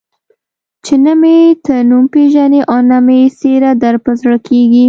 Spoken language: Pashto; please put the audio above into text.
چې نه مې ته نوم پېژنې او نه مې څېره در په زړه کېږي.